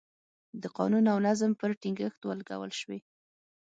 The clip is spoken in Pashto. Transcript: د قانون او نظم پر ټینګښت ولګول شوې.